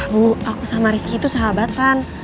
bu aku sama rizky itu sahabatan